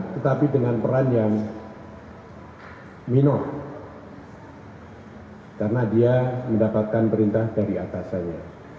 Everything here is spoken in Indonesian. tetapi dengan peran yang minor karena dia mendapatkan perintah dari atasannya